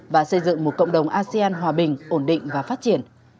và xây dựng một cộng đồng asean hòa bình ổn định và phát triển